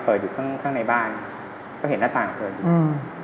เปิดอยู่ข้างในบ้านก็เห็นหน้าต่างก็เปิดอยู่